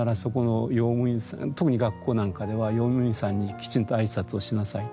特に学校なんかでは用務員さんにきちんと挨拶をしなさいと。